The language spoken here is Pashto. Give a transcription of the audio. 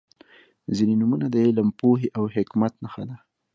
• ځینې نومونه د علم، پوهې او حکمت نښه ده.